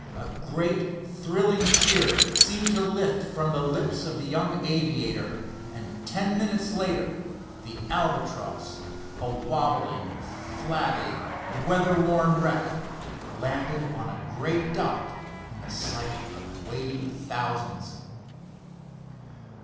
A great, thrilling cheer seemed to lift from the lips of the young aviator, and ten minutes later the Albatross, a wobbling, flabby, weather worn wreck, landed on a great dock in the sight of waiting thousands.